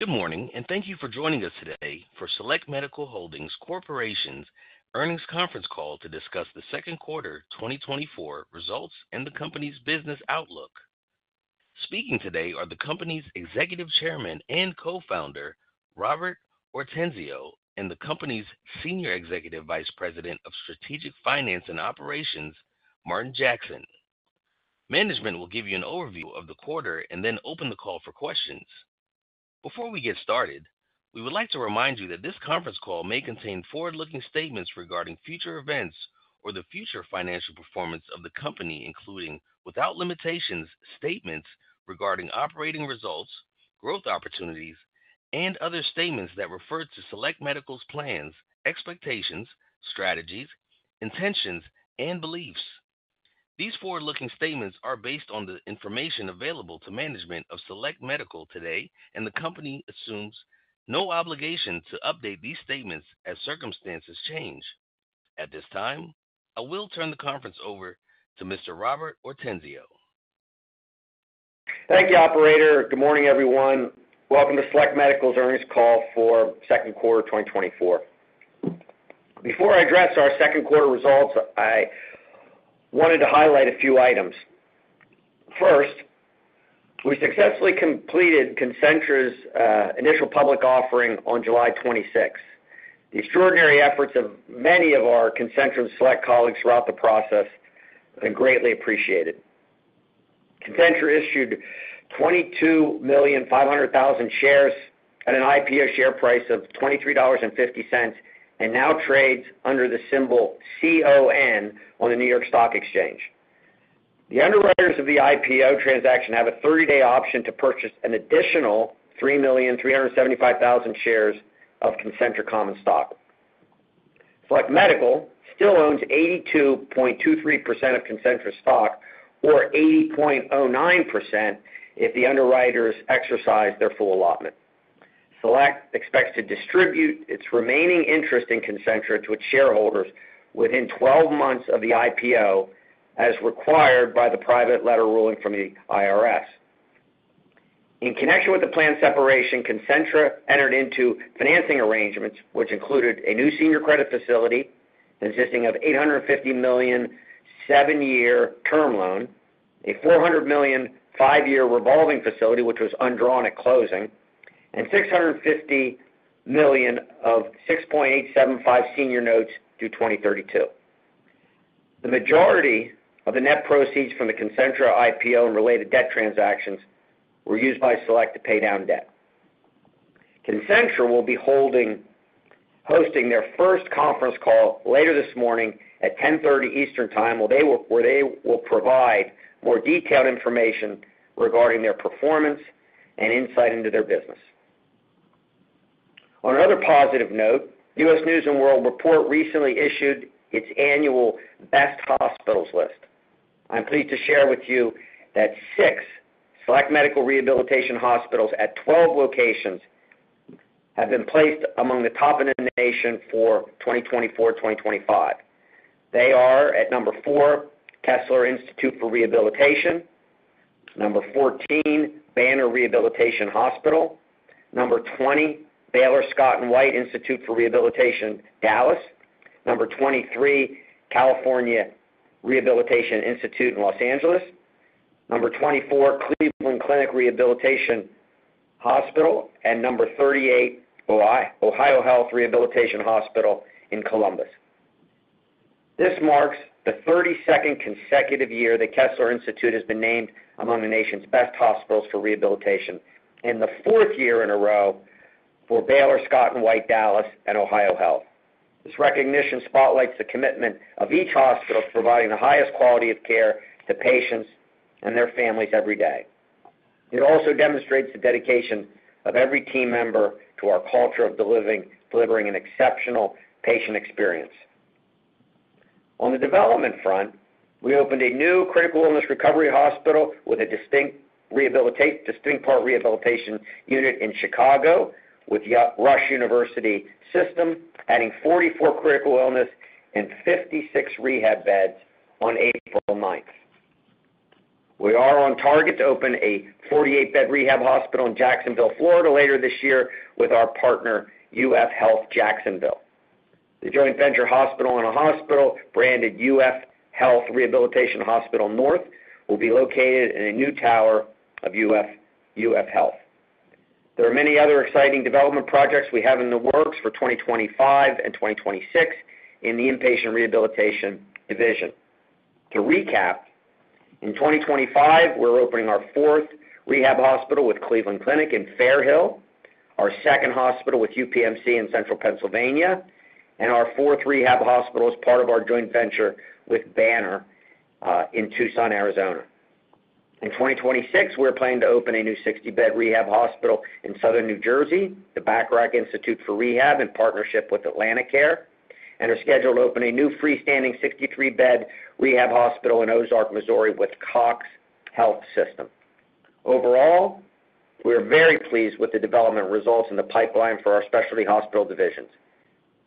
Good morning, and thank you for joining us today for Select Medical Holdings Corporation's Earnings Conference Call to discuss the second quarter 2024 results and the company's business outlook. Speaking today are the company's Executive Chairman and Co-Founder, Robert Ortenzio, and the company's Senior Executive Vice President of Strategic Finance and Operations, Martin Jackson. Management will give you an overview of the quarter and then open the call for questions. Before we get started, we would like to remind you that this conference call may contain forward-looking statements regarding future events or the future financial performance of the company, including without limitations statements regarding operating results, growth opportunities, and other statements that refer to Select Medical's plans, expectations, strategies, intentions, and beliefs. These forward-looking statements are based on the information available to management of Select Medical today, and the company assumes no obligation to update these statements as circumstances change. At this time, I will turn the conference over to Mr. Robert Ortenzio. Thank you, operator. Good morning, everyone. Welcome to Select Medical's Earnings Call for Second Quarter 2024. Before I address our second quarter results, I wanted to highlight a few items. First, we successfully completed Concentra's initial public offering on July 26. The extraordinary efforts of many of our Concentra Select colleagues throughout the process have been greatly appreciated. Concentra issued 22,500,000 shares at an IPO share price of $23.50 and now trades under the symbol CON on the New York Stock Exchange. The underwriters of the IPO transaction have a 30-day option to purchase an additional 3,375,000 shares of Concentra common stock. Select Medical still owns 82.23% of Concentra stock, or 80.09%, if the underwriters exercise their full allotment. Select expects to distribute its remaining interest in Concentra to its shareholders within 12 months of the IPO, as required by the private letter ruling from the IRS. In connection with the planned separation, Concentra entered into financing arrangements, which included a new senior credit facility consisting of $850 million seven-year term loan, a $400 million five-year revolving facility, which was undrawn at closing, and $650 million of 6.875% senior notes due 2032. The majority of the net proceeds from the Concentra IPO and related debt transactions were used by Select to pay down debt. Concentra will be hosting their first conference call later this morning at 10:30 A.M. Eastern Time, where they will provide more detailed information regarding their performance and insight into their business. On another positive note, U.S. News & World Report recently issued its annual best hospitals list. I'm pleased to share with you that six Select Medical rehabilitation hospitals at 12 locations have been placed among the top in the nation for 2024-2025. They are at number four, Kessler Institute for Rehabilitation, number 14, Banner Rehabilitation Hospital, number 20, Baylor Scott & White Institute for Rehabilitation, Dallas, number 23, California Rehabilitation Institute in Los Angeles, number 24, Cleveland Clinic Rehabilitation Hospital, and number 38, OhioHealth Rehabilitation Hospital in Columbus. This marks the 32nd consecutive year that Kessler Institute has been named among the nation's best hospitals for rehabilitation, and the fourth year in a row for Baylor Scott & White, Dallas, and OhioHealth. This recognition spotlights the commitment of each hospital to providing the highest quality of care to patients and their families every day. It also demonstrates the dedication of every team member to our culture of delivering an exceptional patient experience. On the development front, we opened a new critical illness recovery hospital with a distinct part rehabilitation unit in Chicago, with Rush University System adding 44 critical illness and 56 rehab beds on April 9. We are on target to open a 48-bed rehab hospital in Jacksonville, Florida, later this year with our partner, UF Health Jacksonville. The joint venture hospital and a hospital branded UF Health Rehabilitation Hospital North will be located in a new tower of UF Health. There are many other exciting development projects we have in the works for 2025 and 2026 in the inpatient rehabilitation division. To recap, in 2025, we're opening our fourth rehab hospital with Cleveland Clinic in Fairhill, our second hospital with UPMC in Central Pennsylvania, and our fourth rehab hospital as part of our joint venture with Banner in Tucson, Arizona. In 2026, we're planning to open a new 60-bed rehab hospital in Southern New Jersey, the Bacharach Institute for Rehabilitation in partnership with AtlantiCare, and are scheduled to open a new freestanding 63-bed rehab hospital in Ozark, Missouri, with CoxHealth. Overall, we are very pleased with the development results in the pipeline for our specialty hospital divisions.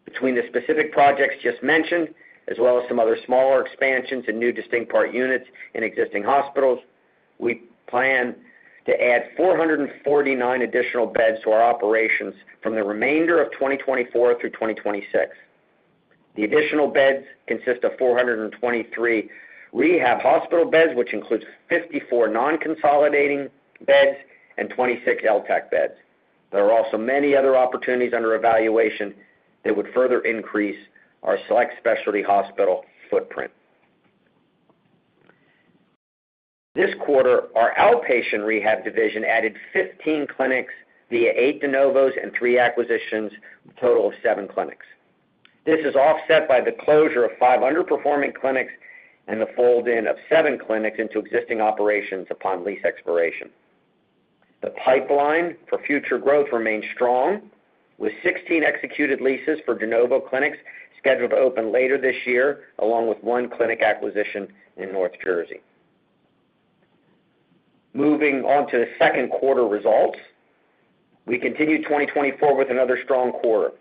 Between the specific projects just mentioned, as well as some other smaller expansions and new distinct part units in existing hospitals, we plan to add 449 additional beds to our operations from the remainder of 2024 through 2026. The additional beds consist of 423 rehab hospital beds, which includes 54 non-consolidating beds and 26 LTCH beds. There are also many other opportunities under evaluation that would further increase our Select Specialty Hospital footprint. This quarter, our outpatient rehab division added 15 clinics via eight de novos and three acquisitions, a total of seven clinics. This is offset by the closure of 5 underperforming clinics and the fold-in of seven clinics into existing operations upon lease expiration. The pipeline for future growth remains strong, with 16 executed leases for de novo clinics scheduled to open later this year, along with one clinic acquisition in North Jersey. Moving on to the second quarter results, we continue 2024 with another strong quarter.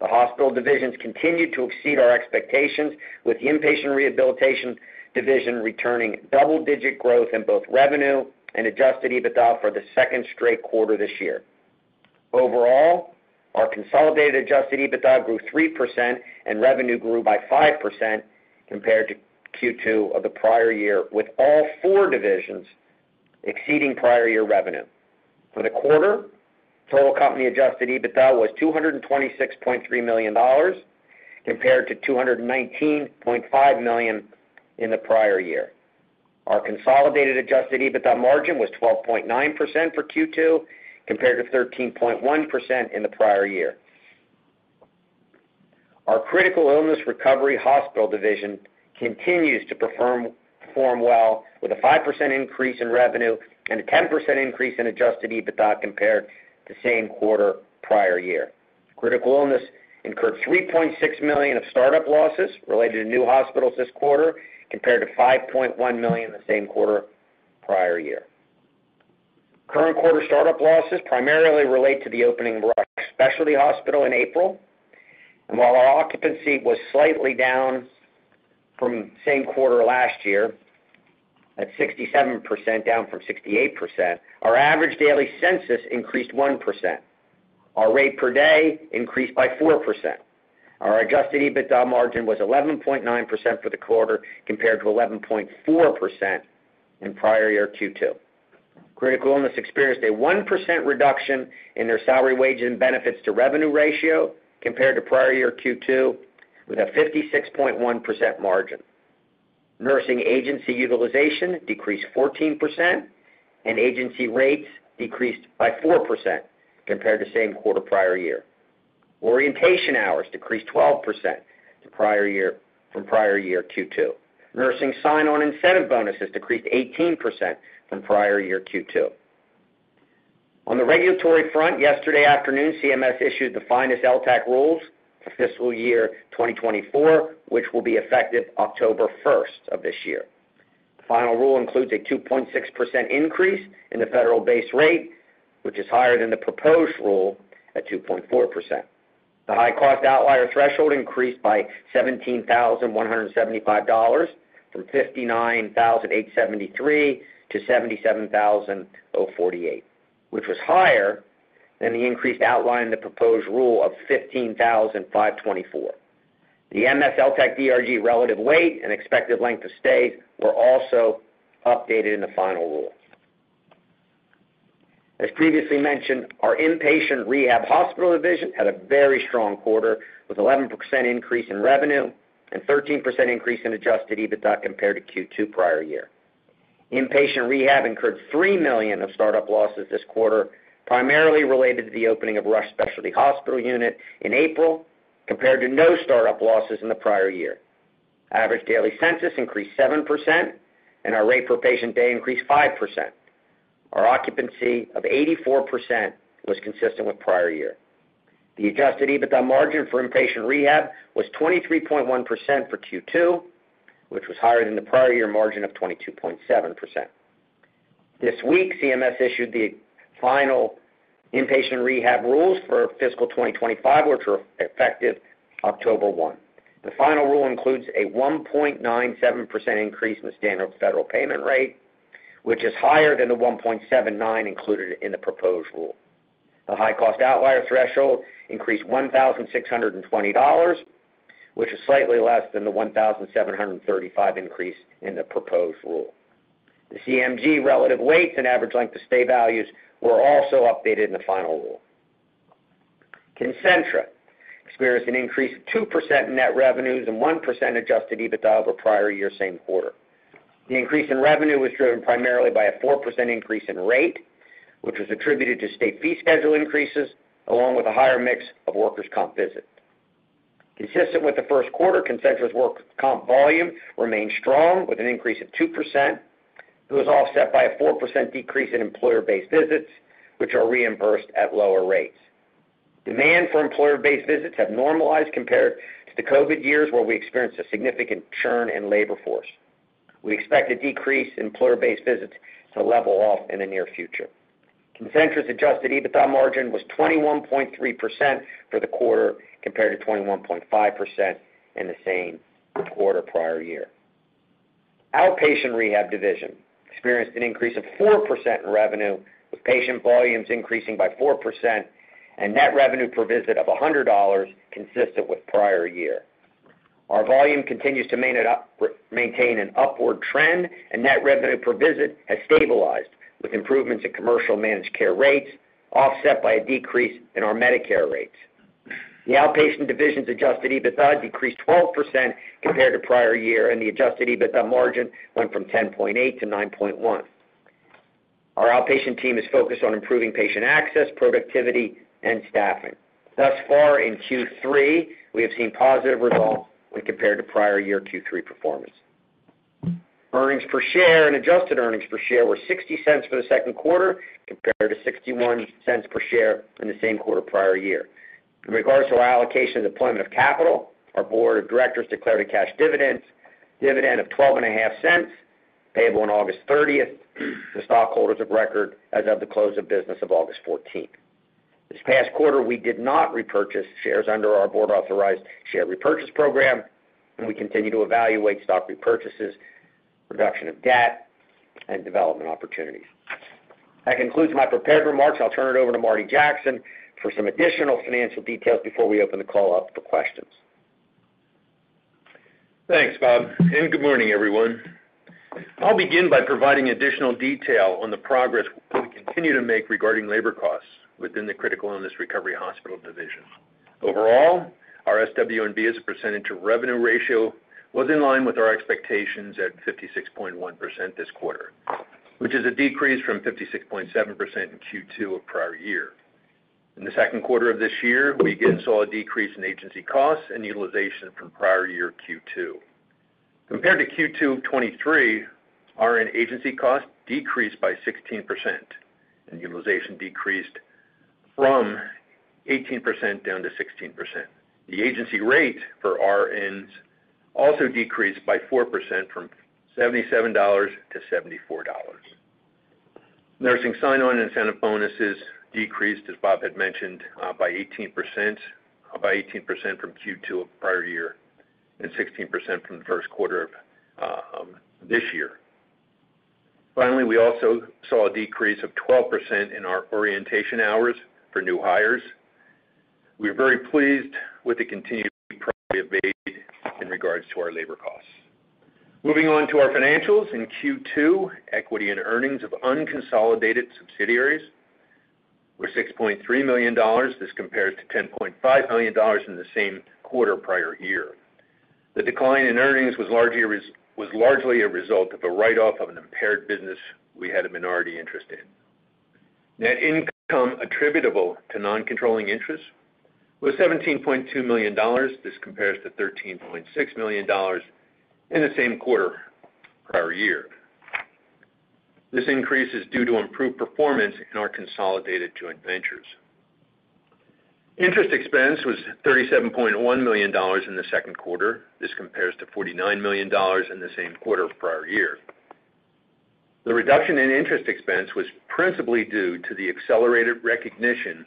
The hospital divisions continued to exceed our expectations, with the inpatient rehabilitation division returning double-digit growth in both revenue and Adjusted EBITDA for the second straight quarter this year. Overall, our consolidated Adjusted EBITDA grew 3%, and revenue grew by 5% compared to Q2 of the prior year, with all four divisions exceeding prior year revenue. For the quarter, total company adjusted EBITDA was $226.3 million, compared to $219.5 million in the prior year. Our consolidated adjusted EBITDA margin was 12.9% for Q2, compared to 13.1% in the prior year. Our critical illness recovery hospital division continues to perform well, with a 5% increase in revenue and a 10% increase in adjusted EBITDA compared to the same quarter prior year. Critical illness incurred $3.6 million of startup losses related to new hospitals this quarter, compared to $5.1 million the same quarter prior year. Current quarter startup losses primarily relate to the opening of Rush Specialty Hospital in April. While our occupancy was slightly down from the same quarter last year, at 67%, down from 68%, our average daily census increased 1%. Our rate per day increased by 4%. Our adjusted EBITDA margin was 11.9% for the quarter, compared to 11.4% in prior year Q2. Critical illness experienced a 1% reduction in their salary wages and benefits to revenue ratio, compared to prior year Q2, with a 56.1% margin. Nursing agency utilization decreased 14%, and agency rates decreased by 4%, compared to the same quarter prior year. Orientation hours decreased 12% from prior year Q2. Nursing sign-on incentive bonuses decreased 18% from prior year Q2. On the regulatory front, yesterday afternoon, CMS issued the final LTCH rules for fiscal year 2024, which will be effective October 1 of this year. The final rule includes a 2.6% increase in the federal base rate, which is higher than the proposed rule at 2.4%. The high-cost outlier threshold increased by $17,175 from $59,873 to $77,048, which was higher than the increase outlined in the proposed rule of $15,524. The MS-LTC-DRG relative weight and expected length of stays were also updated in the final rule. As previously mentioned, our inpatient rehab hospital division had a very strong quarter, with an 11% increase in revenue and a 13% increase in adjusted EBITDA compared to Q2 prior year. Inpatient rehab incurred $3 million of startup losses this quarter, primarily related to the opening of Rush Specialty Hospital unit in April, compared to no startup losses in the prior year. Average daily census increased 7%, and our rate per patient day increased 5%. Our occupancy of 84% was consistent with prior year. The adjusted EBITDA margin for inpatient rehab was 23.1% for Q2, which was higher than the prior year margin of 22.7%. This week, CMS issued the final inpatient rehab rules for fiscal 2025, which were effective October 1. The final rule includes a 1.97% increase in the standard federal payment rate, which is higher than the 1.79 included in the proposed rule. The high-cost outlier threshold increased $1,620, which is slightly less than the $1,735 increase in the proposed rule. The CMG relative weights and average length of stay values were also updated in the final rule. Concentra experienced an increase of 2% in net revenues and 1% adjusted EBITDA over prior year same quarter. The increase in revenue was driven primarily by a 4% increase in rate, which was attributed to state fee schedule increases, along with a higher mix of workers' comp visits. Consistent with the first quarter, Concentra's workers' comp volume remained strong, with an increase of 2%. It was offset by a 4% decrease in employer-based visits, which are reimbursed at lower rates. Demand for employer-based visits has normalized compared to the COVID years, where we experienced a significant churn in labor force. We expect a decrease in employer-based visits to level off in the near future. Concentra's adjusted EBITDA margin was 21.3% for the quarter, compared to 21.5% in the same quarter prior year. Outpatient rehab division experienced an increase of 4% in revenue, with patient volumes increasing by 4% and net revenue per visit of $100, consistent with prior year. Our volume continues to maintain an upward trend, and net revenue per visit has stabilized, with improvements in commercial managed care rates, offset by a decrease in our Medicare rates. The outpatient division's adjusted EBITDA decreased 12% compared to prior year, and the adjusted EBITDA margin went from 10.8 to 9.1. Our outpatient team is focused on improving patient access, productivity, and staffing. Thus far, in Q3, we have seen positive results when compared to prior year Q3 performance. Earnings per share and adjusted earnings per share were $0.60 for the second quarter, compared to $0.61 per share in the same quarter prior year. In regards to our allocation and deployment of capital, our board of directors declared a cash dividend of $0.125, payable on August 30 to stockholders of record as of the close of business of August 14. This past quarter, we did not repurchase shares under our board-authorized share repurchase program, and we continue to evaluate stock repurchases, reduction of debt, and development opportunities. That concludes my prepared remarks. I'll turn it over to Martin Jackson for some additional financial details before we open the call up for questions. Thanks, Bob. Good morning, everyone. I'll begin by providing additional detail on the progress we continue to make regarding labor costs within the critical illness recovery hospital division. Overall, our SW&B as a percentage of revenue ratio was in line with our expectations at 56.1% this quarter, which is a decrease from 56.7% in Q2 of prior year. In the second quarter of this year, we again saw a decrease in agency costs and utilization from prior year Q2. Compared to Q2 of 2023, RN agency costs decreased by 16%, and utilization decreased from 18% down to 16%. The agency rate for RNs also decreased by 4% from $77-$74. Nursing sign-on incentive bonuses decreased, as Bob had mentioned, by 18% from Q2 of prior year and 16% from the first quarter of this year. Finally, we also saw a decrease of 12% in our orientation hours for new hires. We are very pleased with the continued priority of aid in regards to our labor costs. Moving on to our financials in Q2, equity and earnings of unconsolidated subsidiaries were $6.3 million. This compares to $10.5 million in the same quarter prior year. The decline in earnings was largely a result of a write-off of an impaired business we had a minority interest in. Net income attributable to non-controlling interest was $17.2 million. This compares to $13.6 million in the same quarter prior year. This increase is due to improved performance in our consolidated joint ventures. Interest expense was $37.1 million in the second quarter. This compares to $49 million in the same quarter prior year. The reduction in interest expense was principally due to the accelerated recognition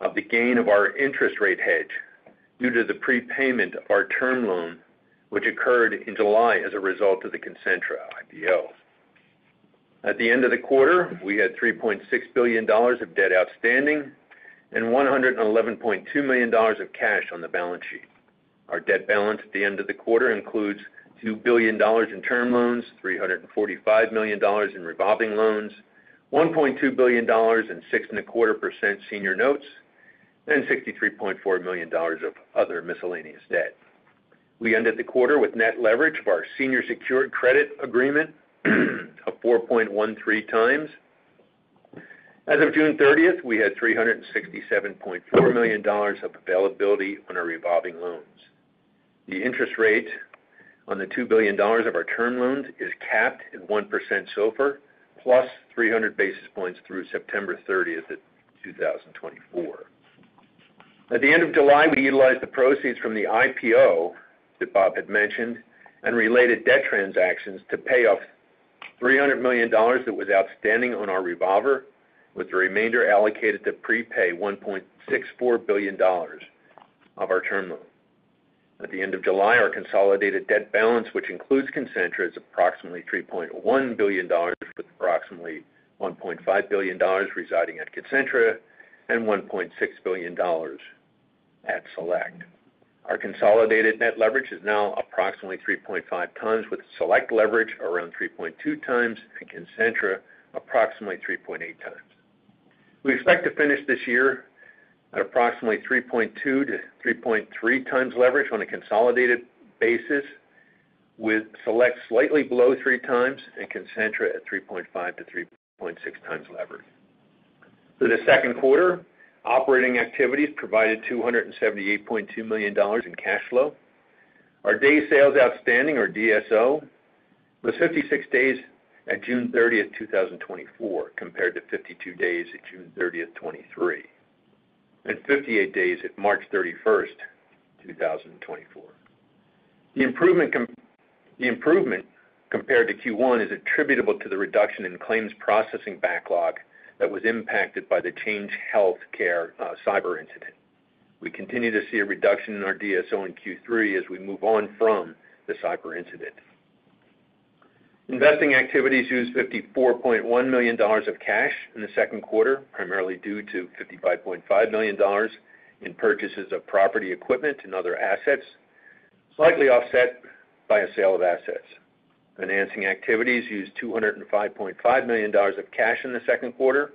of the gain of our interest rate hedge due to the prepayment of our term loan, which occurred in July as a result of the Concentra IPO. At the end of the quarter, we had $3.6 billion of debt outstanding and $111.2 million of cash on the balance sheet. Our debt balance at the end of the quarter includes $2 billion in term loans, $345 million in revolving loans, $1.2 billion in 6.25% senior notes, and $63.4 million of other miscellaneous debt. We ended the quarter with net leverage of our senior secured credit agreement of 4.13x. As of June 30, we had $367.4 million of availability on our revolving loans. The interest rate on the $2 billion of our term loans is capped at 1% SOFR, plus 300 basis points through September 30, 2024. At the end of July, we utilized the proceeds from the IPO that Bob had mentioned and related debt transactions to pay off $300 million that was outstanding on our revolver, with the remainder allocated to prepay $1.64 billion of our term loan. At the end of July, our consolidated debt balance, which includes Concentra, is approximately $3.1 billion, with approximately $1.5 billion residing at Concentra and $1.6 billion at Select. Our consolidated net leverage is now approximately 3.5 times, with Select leverage around 3.2 times, and Concentra approximately 3.8 times. We expect to finish this year at approximately 3.2-3.3 times leverage on a consolidated basis, with Select slightly below 3 times and Concentra at 3.5-3.6 times leverage. For the second quarter, operating activities provided $278.2 million in cash flow. Our Day Sales Outstanding, or DSO, was 56 days at June 30, 2024, compared to 52 days at June 30, 2023, and 58 days at March 31, 2024. The improvement compared to Q1 is attributable to the reduction in claims processing backlog that was impacted by the Change Healthcare cyber incident. We continue to see a reduction in our DSO in Q3 as we move on from the cyber incident. Investing activities used $54.1 million of cash in the second quarter, primarily due to $55.5 million in purchases of property, equipment, and other assets, slightly offset by a sale of assets. Financing activities used $205.5 million of cash in the second quarter.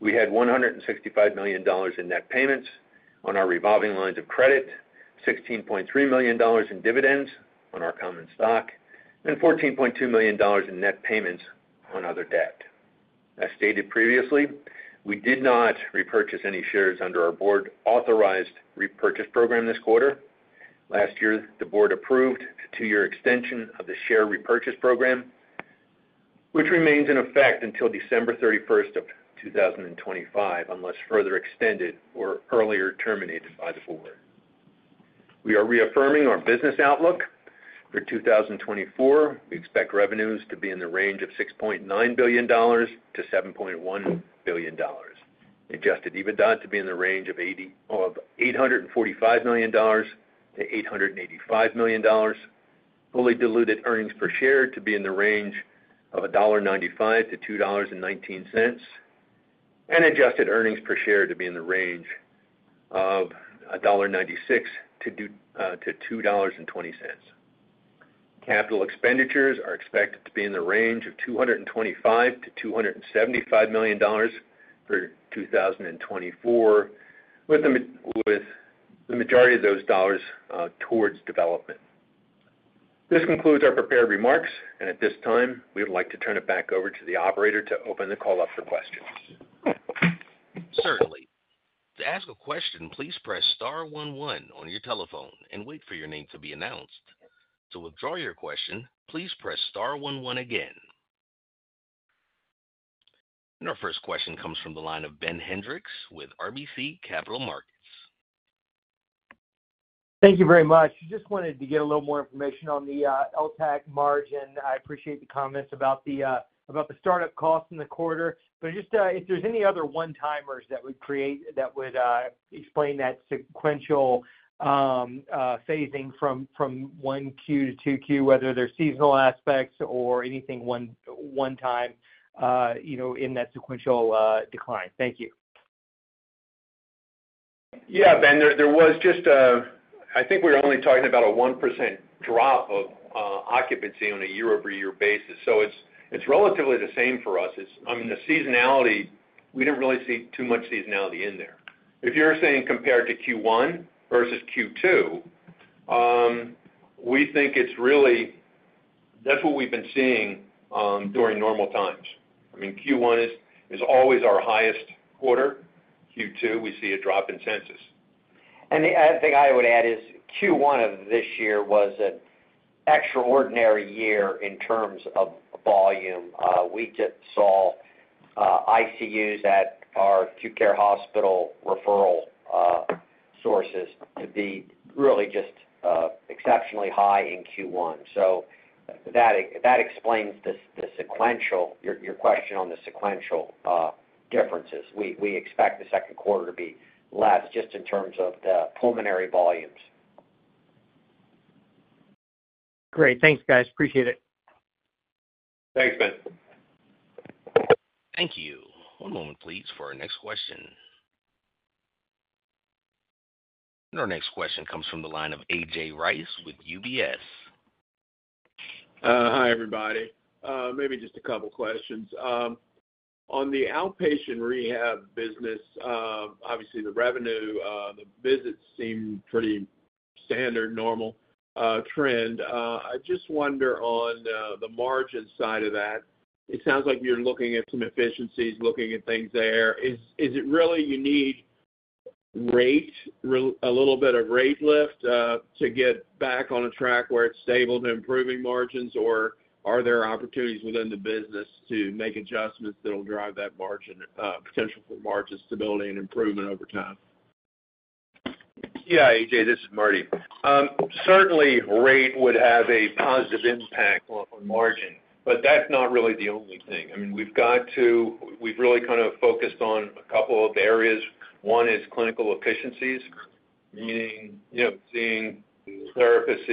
We had $165 million in net payments on our revolving lines of credit, $16.3 million in dividends on our common stock, and $14.2 million in net payments on other debt. As stated previously, we did not repurchase any shares under our board-authorized repurchase program this quarter. Last year, the board approved a two-year extension of the share repurchase program, which remains in effect until December 31, 2025, unless further extended or earlier terminated by the board. We are reaffirming our business outlook for 2024. We expect revenues to be in the range of $6.9 billion-$7.1 billion, adjusted EBITDA to be in the range of $845 million-$885 million, fully diluted earnings per share to be in the range of $1.95-$2.19, and adjusted earnings per share to be in the range of $1.96-$2.20. Capital expenditures are expected to be in the range of $225-$275 million for 2024, with the majority of those dollars towards development. This concludes our prepared remarks, and at this time, we would like to turn it back over to the operator to open the call up for questions. Certainly. To ask a question, please press star one one on your telephone and wait for your name to be announced. To withdraw your question, please press star one one again. Our first question comes from the line of Ben Hendrix with RBC Capital Markets. Thank you very much. I just wanted to get a little more information on the LTAC margin. I appreciate the comments about the startup costs in the quarter, but just if there's any other one-timers that would explain that sequential phasing from 1Q to 2Q, whether they're seasonal aspects or anything one-time in that sequential decline? Thank you. Yeah, Ben, I think we were only talking about a 1% drop of occupancy on a year-over-year basis. So it's relatively the same for us. I mean, the seasonality, we didn't really see too much seasonality in there. If you're saying compared to Q1 versus Q2, we think that's what we've been seeing during normal times. I mean, Q1 is always our highest quarter. Q2, we see a drop in census. The other thing I would add is Q1 of this year was an extraordinary year in terms of volume. We just saw ICUs at our acute care hospital referral sources to be really just exceptionally high in Q1. So that explains the sequential, your question on the sequential differences. We expect the second quarter to be less just in terms of the pulmonary volumes. Great. Thanks, guys. Appreciate it. Thanks, Ben. Thank you. One moment, please, for our next question. Our next question comes from the line of A.J. Rice with UBS. Hi, everybody. Maybe just a couple of questions. On the outpatient rehab business, obviously, the revenue, the visits seem pretty standard, normal trend. I just wonder on the margin side of that, it sounds like you're looking at some efficiencies, looking at things there. Is it really you need a little bit of rate lift to get back on a track where it's stable to improving margins, or are there opportunities within the business to make adjustments that will drive that potential for margin stability and improvement over time? Yeah, A.J., this is Marty. Certainly, rate would have a positive impact on margin, but that's not really the only thing. I mean, we've really kind of focused on a couple of areas. One is clinical efficiencies, meaning seeing therapists,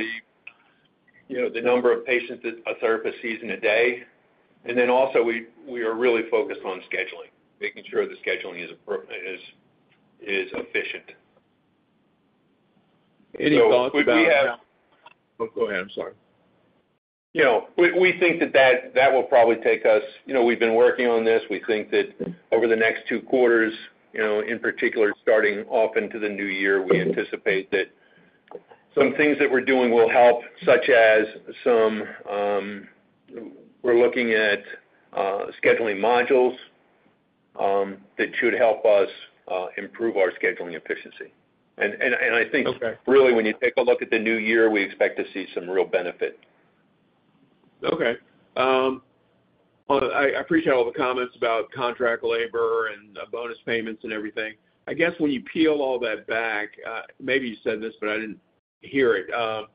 the number of patients a therapist sees in a day. And then also, we are really focused on scheduling, making sure the scheduling is efficient. Any thoughts on that? So we have. Oh, go ahead. I'm sorry. We think that that will probably take us. We've been working on this. We think that over the next two quarters, in particular, starting off into the new year, we anticipate that some things that we're doing will help, such as some. We're looking at scheduling modules that should help us improve our scheduling efficiency. I think, really, when you take a look at the new year, we expect to see some real benefit. Okay. Well, I appreciate all the comments about contract labor and bonus payments and everything. I guess when you peel all that back, maybe you said this, but I didn't hear it.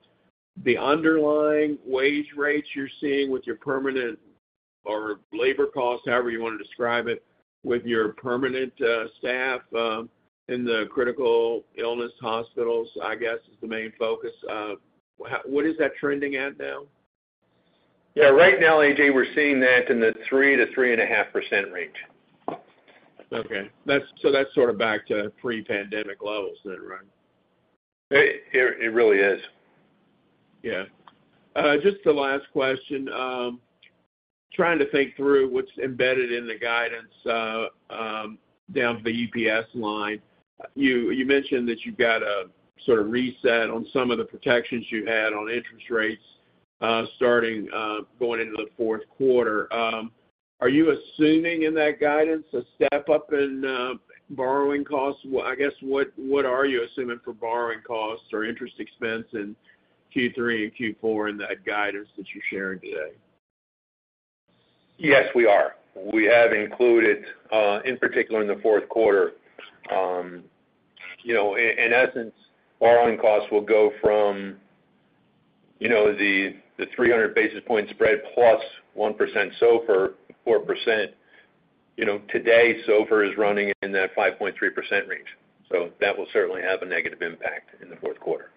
The underlying wage rates you're seeing with your permanent or labor costs, however you want to describe it, with your permanent staff in the critical illness hospitals, I guess, is the main focus. What is that trending at now? Yeah. Right now, A.J., we're seeing that in the 3%-3.5% range. Okay. So that's sort of back to pre-pandemic levels then, right? It really is. Yeah. Just the last question. Trying to think through what's embedded in the guidance down to the EBITDA line. You mentioned that you've got a sort of reset on some of the protections you had on interest rates starting going into the fourth quarter. Are you assuming in that guidance a step up in borrowing costs? I guess, what are you assuming for borrowing costs or interest expense in Q3 and Q4 in that guidance that you're sharing today? Yes, we are. We have included, in particular, in the fourth quarter, in essence, borrowing costs will go from the 300 basis points spread plus 1% SOFR, 4%. Today, SOFR is running in that 5.3% range. So that will certainly have a negative impact in the fourth quarter.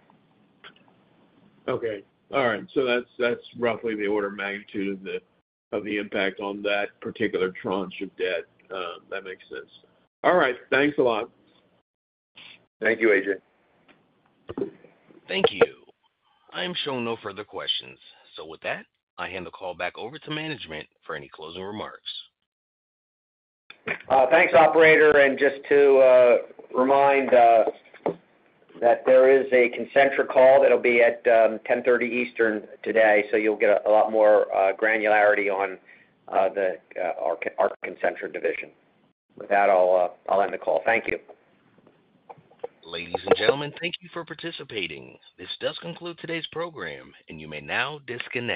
Okay. All right. So that's roughly the order of magnitude of the impact on that particular tranche of debt. That makes sense. All right. Thanks a lot. Thank you, A.J. Thank you. I am showing no further questions. So with that, I hand the call back over to management for any closing remarks. Thanks, operator. And just to remind that there is a Concentra call that'll be at 10:30 A.M. Eastern today, so you'll get a lot more granularity on our Concentra division. With that, I'll end the call. Thank you. Ladies and gentlemen, thank you for participating. This does conclude today's program, and you may now disconnect.